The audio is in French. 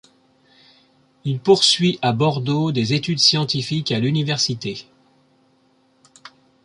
Il poursuit à Bordeaux des études scientifiques à l'université.